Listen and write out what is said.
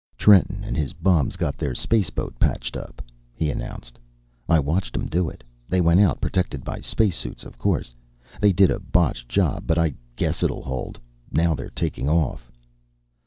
"Trenton and his bums got their spaceboat patched up," he announced. "I watched 'em do it. They went out protected by spacesuits, of course. They did a botch job, but I guess it'll hold. Now they're taking off."